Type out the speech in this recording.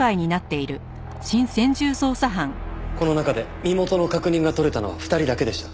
この中で身元の確認が取れたのは２人だけでした。